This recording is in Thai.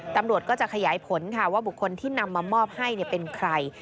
ตำรวจก็จะขยายผลค่ะว่าบุคคลที่นำมามอบให้เป็นใคร